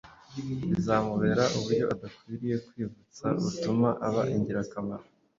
Bizamubera uburyo adakwiriye kwivutsa butuma aba ingirakamaro